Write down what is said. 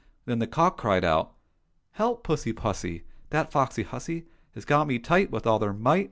Then the cock cried out :" Help ! pussy pussy ! That foxy hussy Has got me tight With all her might.